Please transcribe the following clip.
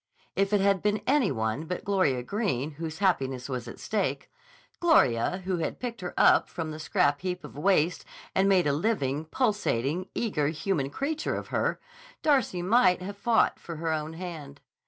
If it had been any one but Gloria Greene whose happiness was at stake, Gloria who had picked her up from the scrap heap of waste and made a living, pulsating, eager human creature of her, Darcy might have fought for her own hand.